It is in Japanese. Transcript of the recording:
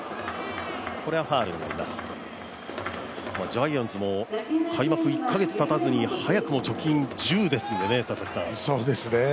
ジャイアンツも開幕１カ月たたずに早くも貯金１０ですのでね。